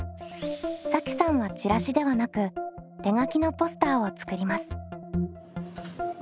さきさんはチラシではなく手書きのポスターを作ります。